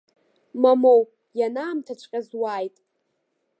Мамоу, ианаамҭаҵәҟьаз уааит.